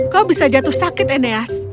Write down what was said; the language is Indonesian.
kau bisa jatuh sakit ineas